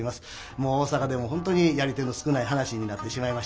もう大阪でも本当にやり手の少ない噺になってしまいました。